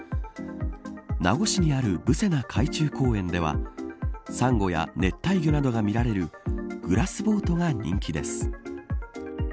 名護市にあるブセナ海中公園ではサンゴや熱帯魚などが見られるグラスボートが人気です。